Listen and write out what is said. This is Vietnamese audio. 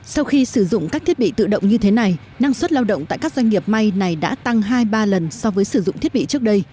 sau khi sử dụng các thiết bị tự động như thế này năng suất lao động tại các doanh nghiệp may này đã tăng hai ba lần so với sử dụng thiết bị trước đây